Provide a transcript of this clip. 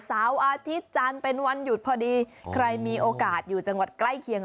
เสาร์อาทิตย์จันทร์เป็นวันหยุดพอดีใครมีโอกาสอยู่จังหวัดใกล้เคียง